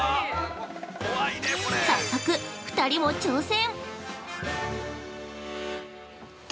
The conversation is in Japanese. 早速、２人も挑戦！